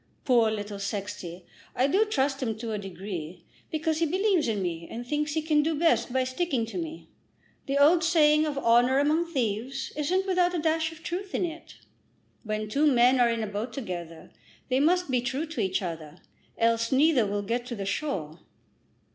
Poor little Sexty! I do trust him to a degree, because he believes in me and thinks he can do best by sticking to me. The old saying of 'honour among thieves' isn't without a dash of truth in it. When two men are in a boat together they must be true to each other, else neither will get to the shore."